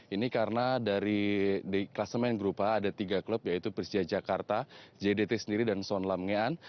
ini karena dari di kelas main grup h ada tiga klub yaitu persija jakarta jdt sendiri dan son lam ngean